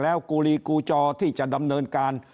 แล้วกูลีกูจอที่จะดำเนินการ